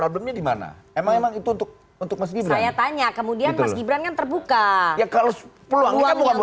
di mana emang itu untuk untuk masjid saya tanya kemudian terbuka ya kalau